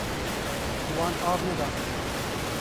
Wan av neda.